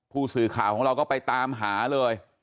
ผู้สื่อข่าวของเราก็ไปตามหาเลย